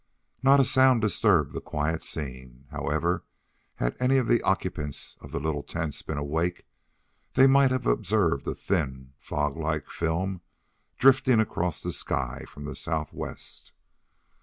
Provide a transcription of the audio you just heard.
Not a sound disturbed the quiet scene. However, had any of the occupants of the little tents been awake, they might have observed a thin, fog like film drifting across the sky from the southwest.